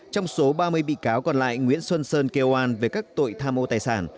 trong số ba mươi bị cáo còn lại nguyễn xuân sơn kêu an về các tội tham ô tài sản